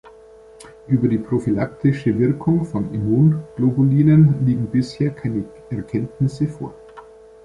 Über die prophylaktische Wirkung von Immunglobulinen liegen bisher keine Erkenntnisse vor.